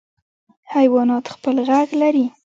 حیوانات خپل غږ لري.